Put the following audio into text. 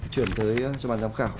chuyển tới cho ban giám khảo